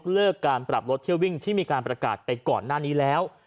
เลิกการปรับรถเที่ยววิ่งที่มีการประกาศไปก่อนหน้านี้แล้ว